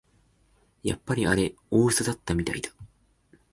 やっぱりあれ大うそだったみたいだ